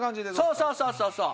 そうそうそうそうそう！